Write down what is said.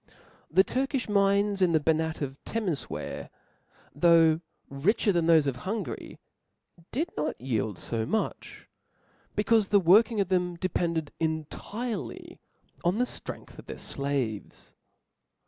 The Turkifh mines in the Bannat of Temefwaer, though richer than thof^ of Hungary, did not yield fo nauch j becaufe the li^orking of them depended entirely on the (tr^ngth of their flaves.